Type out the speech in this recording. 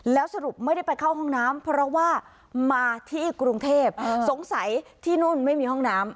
แล้วสรุปไม่ได้ไปเข้าห้องน้ำเพราะว่ามาที่กรุงเทพสงสัยที่นู่นไม่มีห้องน้ำ